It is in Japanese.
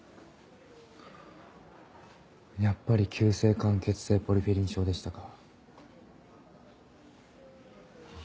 やっぱり急性間欠性ポルフィリン症でしたか。